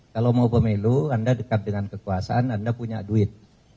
kalau mau pemilu anda dekat dengan kekuasaan anda punya duit